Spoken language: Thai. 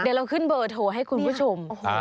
เดี๋ยวเราขึ้นเบอร์โทรให้คุณผู้ชม